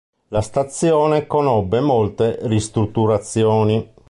La stazione conobbe molte ristrutturazioni.